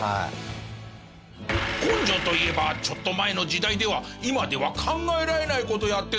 根性といえばちょっと前の時代では今では考えられない事やってたよね。